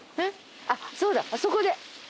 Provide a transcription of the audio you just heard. あっそうだあそこで。